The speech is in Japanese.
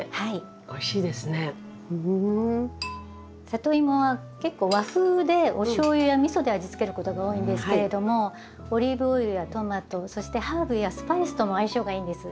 サトイモは結構和風でおしょうゆやみそで味付けることが多いんですけれどもオリーブオイルやトマトそしてハーブやスパイスとも相性がいいんです。